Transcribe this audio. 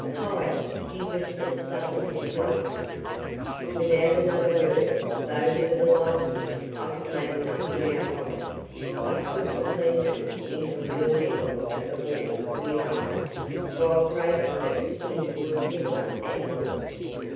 "Hide," he whispered suddenly to us. Without another word, though for the life of me I could make nothing out of it, I pulled the policeman into a little angle of the wall nearby, while Craig slipped into a similar angle.